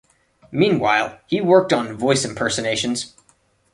Meanwhile, he worked on voice impersonations.